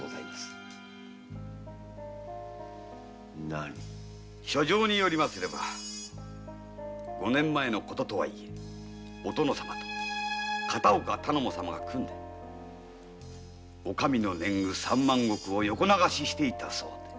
その書状によりますれば五年前のこととはいえお殿様と片岡頼母様が組んでお上の年貢三万石を横流ししていたそうで。